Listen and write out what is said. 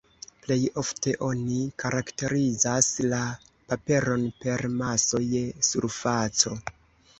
Plej ofte oni karakterizas la paperon per maso je surfaco.